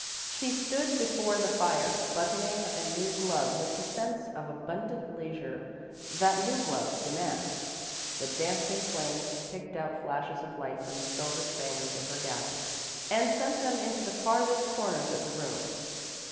She stood before the fire, buttoning a new glove with the sense of abundant leisure that new gloves demand. The dancing flames picked out flashes of light from the silver spangles of her gown and sent them into the farthest corners of the room.